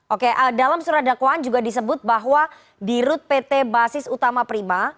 oke dalam surat dakwaan juga disebut bahwa di rut pt basis utama prima